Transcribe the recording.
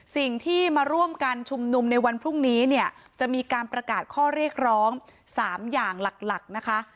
สิ่งที่มาร่วมกันชุมนุมในวันพรุ่งนี้เนี่ยจะมีการประกาศข้อเรียกร้อง๓อย่างหลักนะคะ